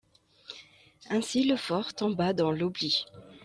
Ainsi, le fort tomba dans l'oubli.